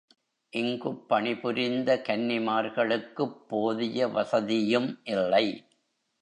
இங்குப் பணிபுரிந்த கன்னிமார்களுக்குப் போதிய வசதியும் இல்லை.